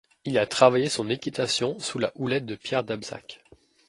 Il a travaillé son équitation sous la houlette de Pierre d'Abzac.